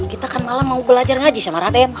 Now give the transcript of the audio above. kita kan malah mau belajar ngaji sama raden